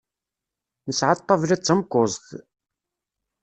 Nesɛa ṭṭabla d tamkuẓt.